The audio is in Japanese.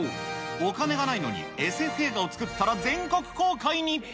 お金がないのにＳＦ映画を作ったら全国公開に。